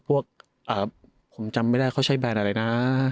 ผมจำไม่ได้เขาใช้แบนอะไรนะ